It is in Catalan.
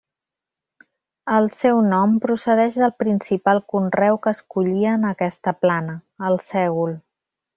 El seu nom procedeix del principal conreu que es collia en aquesta plana, el sègol.